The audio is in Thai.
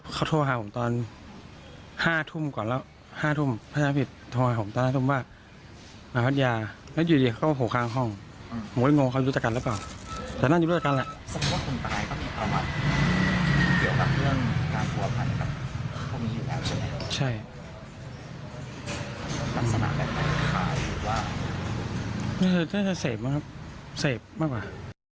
เดี๋ยวจะเสียบไหมครับเสียบมากไว้